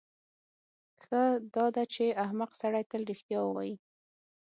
ښه داده چې احمق سړی تل رښتیا ووایي.